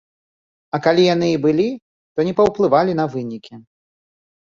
А калі яны і былі, то не паўплывалі на вынікі.